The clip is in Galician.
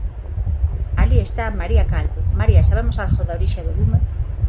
Alí está María Calvo; María, sabemos algo da orixe do lume?